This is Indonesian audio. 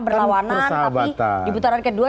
berlawanan tapi di putaran kedua